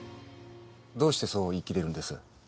どうしてそう言い切れるんです？